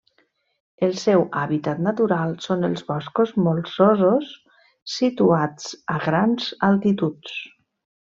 El seu hàbitat natural són els boscos molsosos situats a grans altituds.